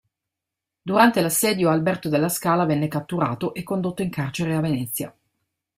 Durante l'assedio, Alberto della Scala venne catturato e condotto in carcere a Venezia.